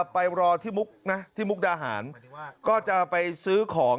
ไปรอที่มุกนะที่มุกดาหารก็จะไปซื้อของ